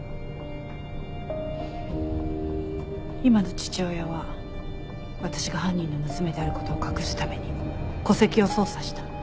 今の父親は私が犯人の娘であることを隠すために戸籍を操作した。